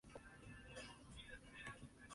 Resulta perdedor, pero queda de vicepresidente.